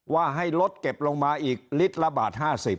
ว่าให้ลดเก็บลงมาอีกลิตรละบาท๕๐บาท